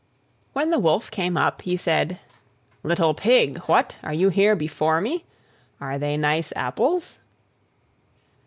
When the Wolf came up he said, "Little Pig, what! are you here before me? Are they nice apples?"